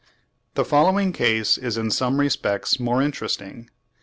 The following case is in some respects more interesting.